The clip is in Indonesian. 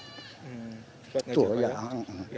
cepat ngaji pak ya